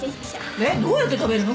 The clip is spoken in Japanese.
えっどうやって食べるの？